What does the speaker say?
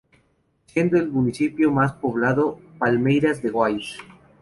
Siendo el municipio más poblado Palmeiras de Goiás.